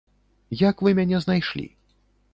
Як вы мяне знайшлі?